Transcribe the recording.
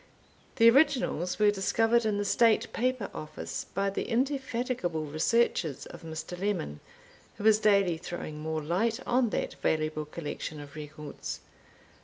The originals were discovered in the State Paper Office, by the indefatigable researches of Mr. Lemon, who is daily throwing more light on that valuable collection of records.